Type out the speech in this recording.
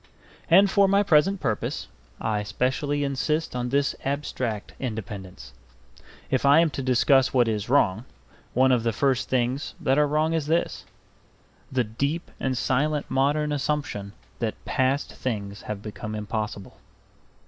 And for my present purpose I specially insist on this abstract independence. If I am to discuss what is wrong, one of the first things that are wrong is this: the deep and silent modern assumption that past things have become impossible.